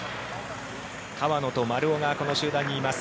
川野と丸尾がこの集団にいます。